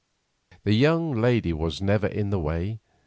The young lady was never in the way.